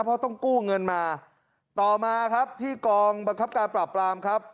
เพราะต้องกู้เงินมาต่อมาครับที่กองบังคับการปราบปรามครับ